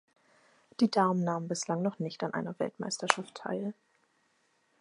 Die Damen nahmen bislang noch nicht an einer Weltmeisterschaft teil.